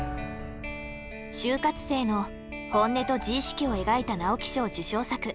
就活生の本音と自意識を描いた直木賞受賞作。